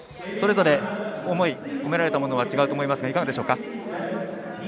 それぞれ思い、込められたものが違うと思いますがいかがでしょうか。